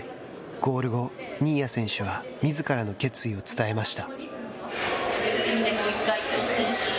ゴール後、新谷選手は、みずからの決意を伝えました。